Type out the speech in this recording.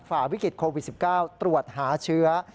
ฝ่าวิกฤตโควิด๑๙ตรวจหาเชื้อ